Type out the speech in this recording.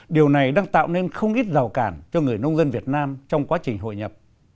điều này đang tạo nên không ít rào cản cho người nông dân việt nam trong quá trình hội nhập